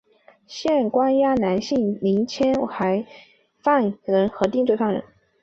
现关押男性年青还押犯人和定罪犯人。